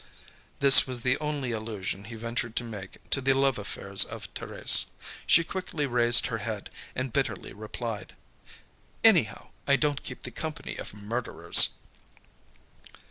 This was the only allusion he ventured to make to the love affairs of Thérèse. She quickly raised her head, and bitterly replied: "Anyhow, I don't keep the company of murderers."